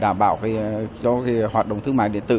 đảm bảo cho hoạt động thương mại điện tử